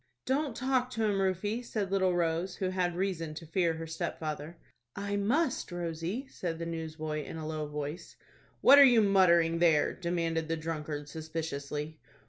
"Don't talk to him, Rufie," said little Rose, who had reason to fear her stepfather. "I must, Rosie," said the newsboy, in a low voice. "What are you muttering there?" demanded the drunkard, suspiciously.